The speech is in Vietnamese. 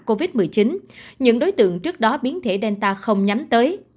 tại vì covid một mươi chín những đối tượng trước đó biến thể delta không nhắm tới